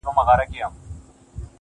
علم د انسان لارښود دی.